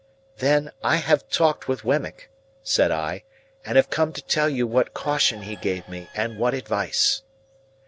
"Then, I have talked with Wemmick," said I, "and have come to tell you what caution he gave me and what advice."